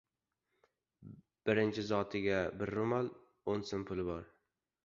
— Birinchi zotiga bir ro‘mol, o‘n so‘m puli bor!